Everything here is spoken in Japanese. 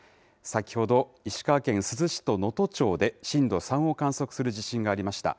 先ほど石川県珠洲市と能登町で震度３を観測する地震がありました。